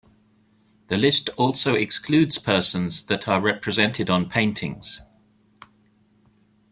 The list also excludes persons that are represented on paintings.